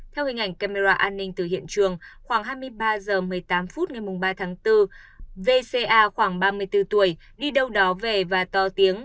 theo hình ảnh camera an ninh từ hiện trường khoảng hai mươi ba h một mươi tám phút ngày ba tháng bốn vca khoảng ba mươi bốn tuổi đi đâu đó về và to tiếng